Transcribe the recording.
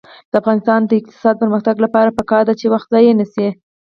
د افغانستان د اقتصادي پرمختګ لپاره پکار ده چې وخت ضایع نشي.